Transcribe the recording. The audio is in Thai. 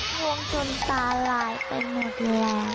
ห่วงจนตาลายไปหมดแล้ว